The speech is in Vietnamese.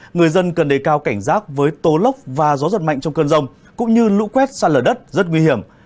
người dân cần đề cao cảnh giác với tố lốc và gió giật mạnh trong cơn rông cũng như lũ quét xa lở đất rất nguy hiểm